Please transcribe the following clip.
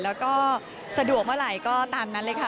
แล้วก็สะดวกเมื่อไหร่ก็ตามนั้นเลยค่ะ